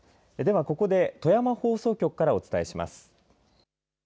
では、ここで富山放送局からお伝えします。